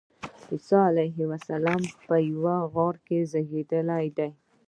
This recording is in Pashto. عیسی علیه السلام په یوه غار کې زېږېدلی دی.